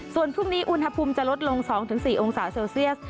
ส่วนพรุ่งนี้อุณหภูมิจะลดลง๒๔องศาเซลเซียส